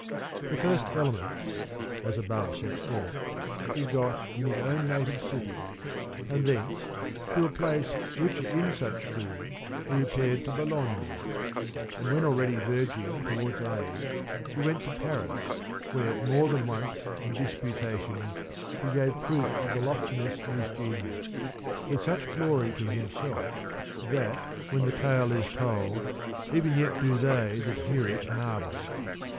The first elements, as above set forth, he got in his own native city ; and thence, as to a place richer in such food, he repaired to Bologna ; and when already verging towards age he went to Paris, where more than once, in disputations, he gave proof of the loftiness of his genius, with such glory to himself, that, when the tale is told, even yet do they that hear it marvel.